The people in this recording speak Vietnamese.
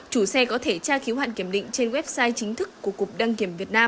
chủ xe có thể tra khiếu hạn kiểm định trên website chính thức của cục đăng kiểm việt nam